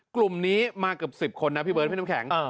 กลุ่มนี้มาเกือบ๑๐คนนะพี่เบิร์ดพี่น้ำแข็ง